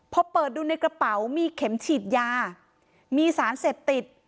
พอเปิดดูในกระเป๋ามีเข็มฉีดยามีสารเสพติด